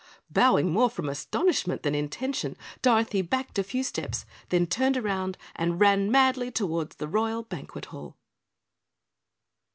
Bowing more from astonishment than intention, Dorothy backed a few steps, then turned round and ran madly toward the Royal Banquet Hall.